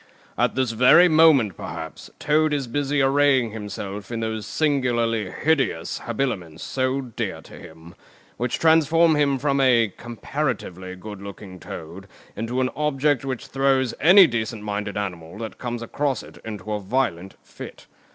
At this very moment, perhaps, Toad is busy arraying himself in those singularly hideous habiliments so dear to him, which transform him from a (comparatively) good looking Toad into an Object which throws any decent minded animal that comes across it into a violent fit.